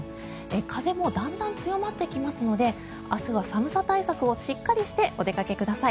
風もだんだん強まってきますので明日は寒さ対策をしっかりしてお出かけください。